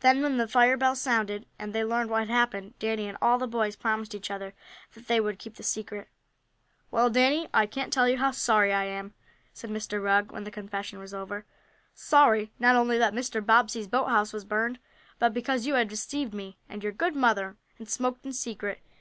Then, when the fire bells sounded, and they learned what had happened, Danny and all the boys promised each other that they would keep the secret. "Well, Danny, I can't tell you how sorry I am," said Mr. Rugg, when the confession was over. "Sorry not only that Mr. Bobbsey's boathouse was burned, but because you have deceived me, and your good mother, and smoked in secret.